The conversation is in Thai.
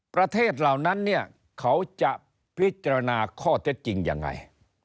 ประเทศเหล่านั้นเขาจะพิจารณาข้อเท็จจริงอย่างไร